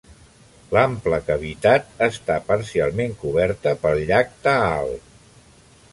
L'ample cavitat està parcialment coberta pel llac Taal.